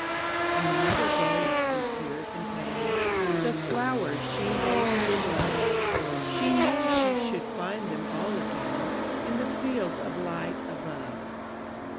'' And the mother gave, in tears and pain, The flowers she most did love; She knew she should find them all again In the fields of light above.